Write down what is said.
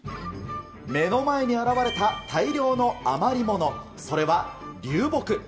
目の前に現れた大量の余りもの、それは流木。